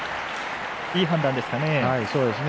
いい判断ですかね。